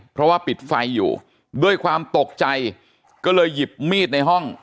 เพราะว่าปิดไฟอยู่ด้วยความตกใจก็เลยหยิบมีดในห้อง